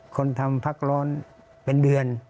คนทำพักร้อนเป็นเดือน